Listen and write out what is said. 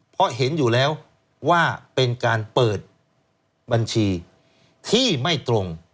เพราะเห็นอยู่แล้วว่าเป็นการเปิดบัญชีที่ไม่ตรง